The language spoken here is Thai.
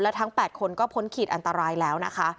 ทั้ง๘คนก็พ้นขีดอันตรายแล้วนะคะ